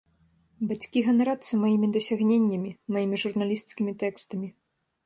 Бацькі ганарацца маімі дасягненнямі, маімі журналісцкімі тэкстамі.